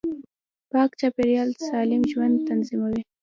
پاک چاپیریال سالم ژوند تضمینوي